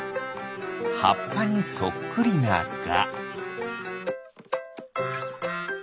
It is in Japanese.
はっぱにそっくりなガ。